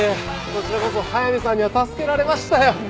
こちらこそ速見さんには助けられましたよ。